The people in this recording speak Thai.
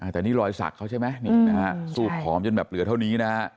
แต่นี่รอยสักเขาใช่ไหมซูบผอมจนแบบเหลือเท่านี้นะ